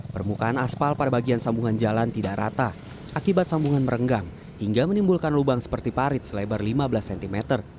permukaan aspal pada bagian sambungan jalan tidak rata akibat sambungan merenggang hingga menimbulkan lubang seperti parit selebar lima belas cm